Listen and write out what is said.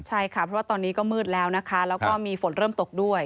ใช่ค่ะเพราะว่าตอนนี้ก็มืดแล้วนะคะแล้วก็มีฝนเริ่มตกด้วย